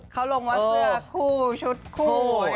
เขาลงว่าเสื้อคู่ชุดคู่